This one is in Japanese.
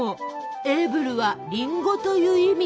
エーブルは「りんご」という意味。